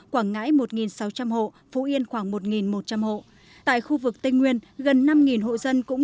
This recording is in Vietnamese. quảng ngãi một sáu trăm linh hộ phú yên khoảng một một trăm linh hộ tại khu vực tây nguyên gần năm hộ dân cũng